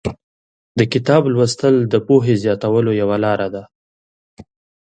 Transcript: د کتاب لوستل د پوهې زیاتولو یوه لاره ده.